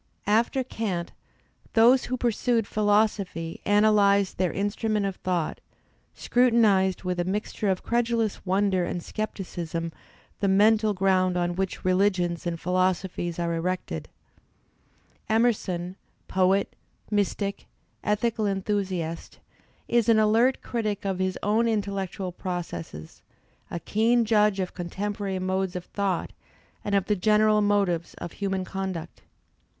After Kant those who pursued philosophy analyzed their instrument of thought, scrutinized with a mixture of credulous wonder and scepticism the mental 45 Digitized by Google 46 THE SPIRIT OF AMERICAN LITERATURE ground on which religions and philosophies are erected. Emerson, poet» mystic, ethical enthusiast, is an alert critic of his own intellectual processes, a keen judge of contem porary modes of thought and of the general motives of human conduct.